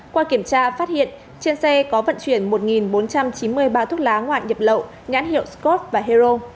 qua kiểm tra phát hiện trên xe có vận chuyển một bốn trăm chín mươi bao thuốc lá ngoại nhập lậu nhãn hiệu scott và hero